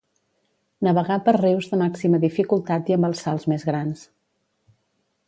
Navegà per rius de màxima dificultat i amb els salts més grans.